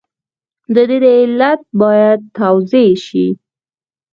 د دې علت باید توضیح شي.